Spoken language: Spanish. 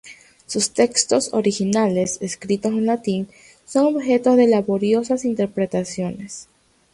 Sus textos originales, escritos en latín, son objeto de laboriosas interpretaciones.